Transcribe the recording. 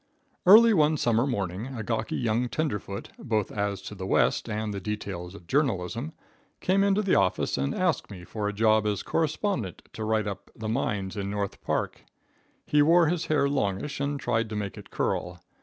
Early one summer morning a gawky young tenderfoot, both as to the West and the details of journalism, came into the office and asked me for a job as correspondent to write up the mines in North Park. He wore his hair longish and tried to make it curl.